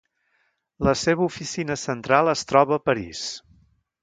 La seva oficina central es troba a París.